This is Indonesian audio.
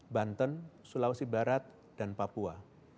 banten sulawesi barat dan papua